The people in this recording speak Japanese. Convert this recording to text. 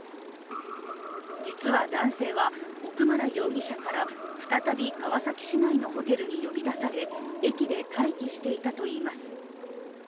実は男性は奥村容疑者から再び川崎市内のホテルに呼び出され駅で待機していたといいます。